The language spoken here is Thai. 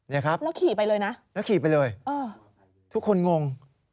นี่ครับแล้วขี่ไปเลยนะเออทุกคนงง